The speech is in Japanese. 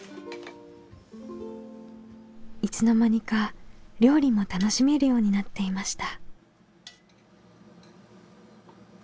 いつの間にか料理も楽しめるようになっていました。